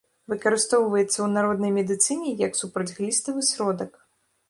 Выкарыстоўваецца ў народнай медыцыне як супрацьгліставы сродак.